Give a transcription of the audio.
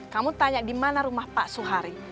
kamu tanya dimana rumah pak suhari